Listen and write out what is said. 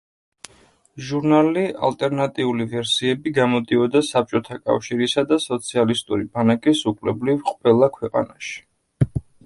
ჟურნალი ალტერნატიული ვერსიები გამოდიოდა საბჭოთა კავშირისა და სოციალისტური ბანაკის უკლებლივ ყველა ქვეყანაში.